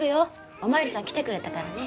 お巡りさん来てくれたからね。